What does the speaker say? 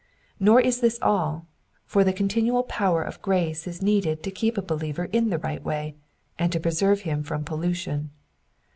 Nor is this all, for the continual power of grace is needed to keep a believer in the right way, and to preserve him from pollution.